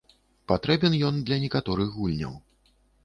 Патрэбен ён для некаторых гульняў.